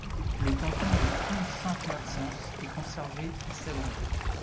Le canton de Pont-Sainte-Maxence est conservé et s'agrandit.